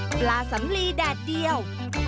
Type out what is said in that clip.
ปลาสำลีแดดเดียว